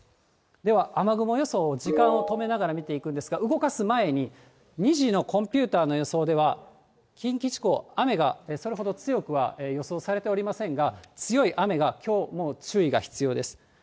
では雨雲予想を時間を止めながら見ていくんですが、動かす前に、２時のコンピューターの予想では、近畿地方、雨がそれほど強くは予想されておりませんが、強い雨がきょうも注意が必要です。